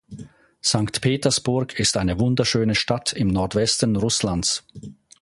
Sankt Petersburg ist eine wunderschöne Stadt im Nordwesten Russlands.